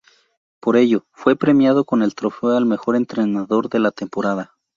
Por ello, fue premiado con el trofeo al mejor entrenador de la temporada.